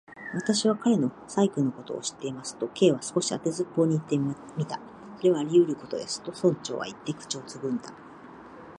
「私は彼の細君のことも知っています」と、Ｋ は少し当てずっぽうにいってみた。「それはありうることです」と、村長はいって、口をつぐんだ。